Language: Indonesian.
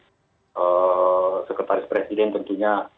ee sekretaris presiden tentunya